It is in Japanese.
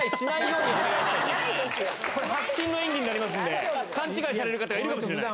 迫真の演技になりますんで勘違いされる方いるかもしれない。